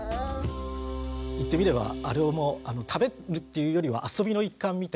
言ってみればあれも食べるっていうよりは遊びの一環みたいに思えましたね。